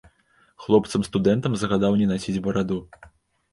Хлопцам студэнтам загадаў не насіць бараду.